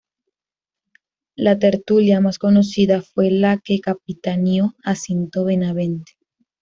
La tertulia más conocida fue la que capitaneó Jacinto Benavente.